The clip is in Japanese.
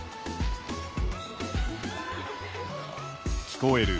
聞こえる